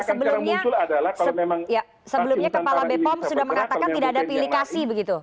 sebelumnya kepala bpom sudah mengatakan tidak ada pilih kasih begitu